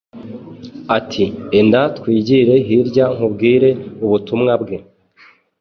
ati «Enda twigire hirya nkubwire ubutumwa bwe».